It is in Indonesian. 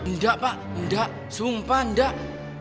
nggak pak nggak sumpah nggak